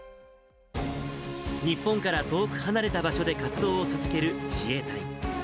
日本から遠く離れた場所で活動を続ける自衛隊。